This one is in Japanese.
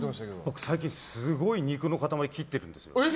僕、最近すごい肉の塊切ってるんですよ。